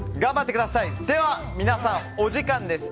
では皆さんお時間です。